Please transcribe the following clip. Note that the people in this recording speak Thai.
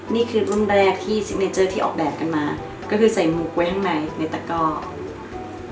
นี่คือรุ่นแรกที่ซิกเนเจอร์ที่ออกแบบกันมาก็คือใส่หมวกไว้ข้างในในตะกอก